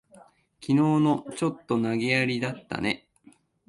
きのうの、ちょっと投げやりだったね。